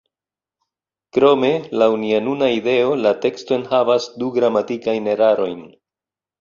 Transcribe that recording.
Krome, laŭ nia nuna ideo la teksto enhavas du gramatikajn erarojn.